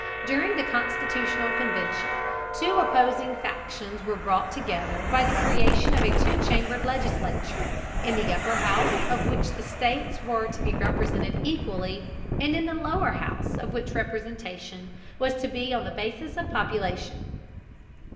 During the Constitutional Convention two opposing factions were brought together by the creation of a two chambered legislature, in the upper house of which the states were to be represented equally, and in the lower house of which representation was to be on the basis of population.